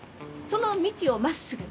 その道を真っすぐ。